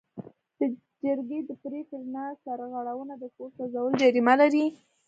د جرګې د پریکړې نه سرغړونه د کور سوځول جریمه لري.